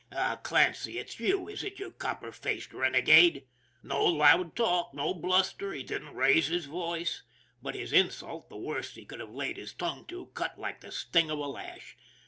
" Ah, Clancy, it's you, is it, you copper faced renegade? " no loud talk, no bluster, he didn't raise his voice; but his insult, the worst he could have laid his tongue to, cut like the sting of a lash.